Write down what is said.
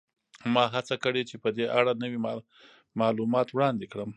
ما هڅه کړې چې په دې اړه نوي معلومات وړاندې کړم